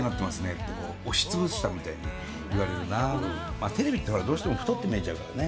まあテレビってどうしても太って見えちゃうからね。